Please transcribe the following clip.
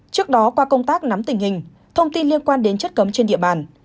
trước đó qua công tác nắm tình hình thông tin liên quan đến chất cấm trên địa bàn